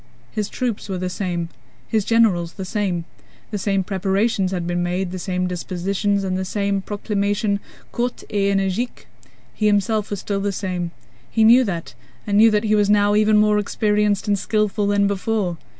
His troops were the same, his generals the same, the same preparations had been made, the same dispositions, and the same proclamation courte et énergique, he himself was still the same: he knew that and knew that he was now even more experienced and skillful than before.